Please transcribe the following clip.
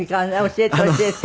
教えて教えて。